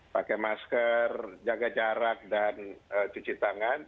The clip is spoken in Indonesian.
pakai masker jaga jarak dan cuci tangan